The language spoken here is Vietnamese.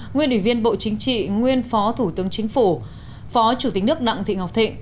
nguyên ủy viên bộ chính trị nguyên phó thủ tướng chính phủ phó chủ tịch nước đặng thị ngọc thịnh